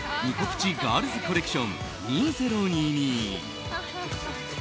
プチガールズコレクション２０２２。